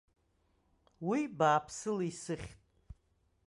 Уи бааԥсыла исыхьт.